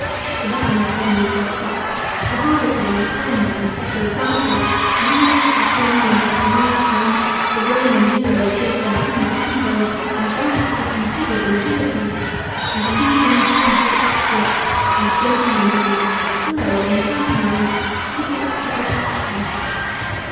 The band suddenly strikes up, the harlequin and columbine set the example, reels are formed in less than no time, the Eoman heroes place their arms akimbo, and dance with considerable agility ; and the leading tragic actress, and the gentleman who enacts the " swell " in the pantomime, foot it to perfection.